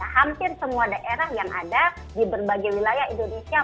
hampir semua daerah yang ada di berbagai wilayah indonesia